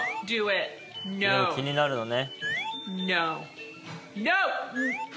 気になるのね。